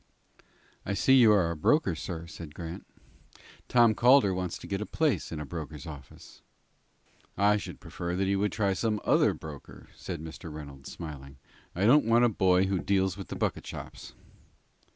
"I see you are a broker, sir," said Grant. "Tom Calder wants to get a place in a broker's office." "I should prefer that he would try some other broker," said Mr. Reynolds, smiling. "I don't want a boy who deals with the bucket shops."